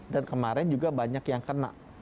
dan kemarin juga banyak yang kena